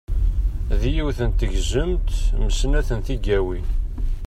D yiwet n tegzemt m snat n tigawin.